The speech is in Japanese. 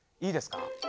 いいですか？